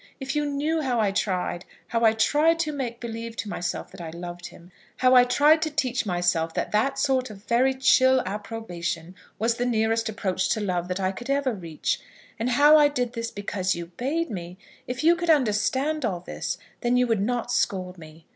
If you knew how I tried, how I tried to make believe to myself that I loved him; how I tried to teach myself that that sort of very chill approbation was the nearest approach to love that I could ever reach; and how I did this because you bade me; if you could understand all this, then you would not scold me.